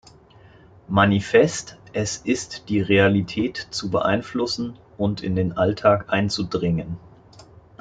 Manifest es ist die Realität zu beeinflussen und in den Alltag einzudringen.